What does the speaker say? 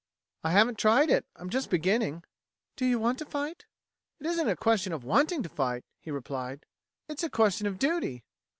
"I haven't tried it. I'm just beginning." "Do you want to fight?" "It isn't a question of wanting to fight," he replied. "It's a question of duty."